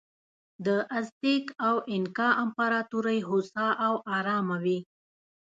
د ازتېک او اینکا امپراتورۍ هوسا او ارامه وې.